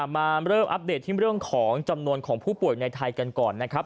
มาเริ่มอัปเดตที่เรื่องของจำนวนของผู้ป่วยในไทยกันก่อนนะครับ